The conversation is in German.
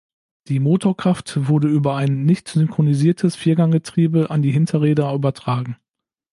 Die Motorkraft wurde über ein nicht synchronisiertes Vierganggetriebe an die Hinterräder übertragen.